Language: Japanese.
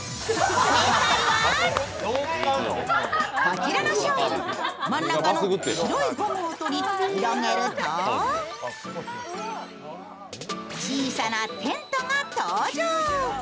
正解はこちらの商品、真ん中の白いゴムをとり広げると小さなテントが登場！